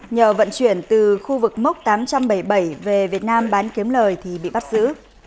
nhờ vận chuyển từ khu vực mốc tám trăm bảy mươi bảy về việt nam bán kiếm lời thì bị bắt giữ